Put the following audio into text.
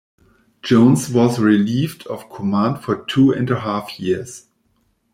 Jones was relieved of command for two and a half years.